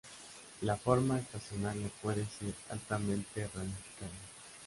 La forma estacionaria puede ser altamente ramificada.